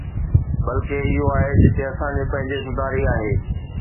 بلڪه، اهو آهي جتي اسان جي پنهنجي سڌاري آهي.